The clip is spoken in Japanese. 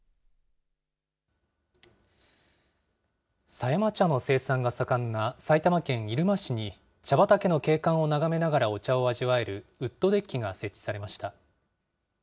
狭山茶の生産が盛んな埼玉県入間市に、茶畑の景観を眺めながらお茶を味わえるウッドデッキが設置されました。